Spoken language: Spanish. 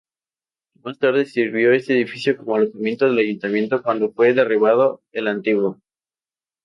Más tarde sirvió este edificio como alojamiento del Ayuntamiento cuando fue derribado el antiguo.